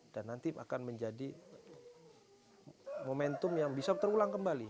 dan nanti akan menjadi momentum yang bisa terulang kembali